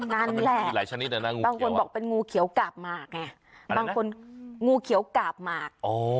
นั่นแหละมีหลายชนิดเลยนะงูบางคนบอกเป็นงูเขียวกาบหมากไงบางคนงูเขียวกาบหมาก